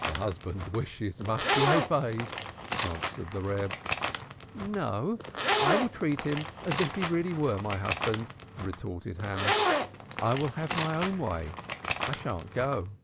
"A husband's wishes must be obeyed," answered the Reb. "No, I will treat him as if he were really my husband," retorted Hannah. "I will have my own way: I shan't go."